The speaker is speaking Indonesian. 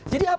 jadi apa sih